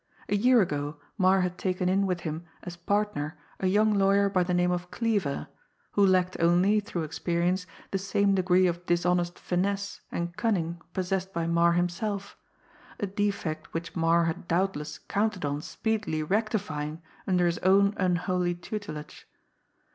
A year ago Marre had taken in with him as partner a young lawyer by the name of Cleaver, who lacked only, through experience, the same degree of dishonest finesse and cunning possessed by Marre himself a defect which Marre had doubtless counted on speedily rectifying under his own unholy tutelage!